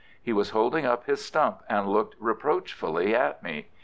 He was holding up his stump and looking reproachfully at me.